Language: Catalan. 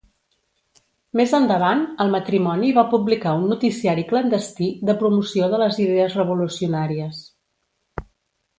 Més endavant, el matrimoni va publicar un noticiari clandestí de promoció de les idees revolucionàries.